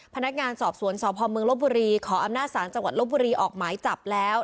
พนักงานสอบสวนสพเมืองลบบุรีขออำนาจศาลจังหวัดลบบุรีออกหมายจับแล้ว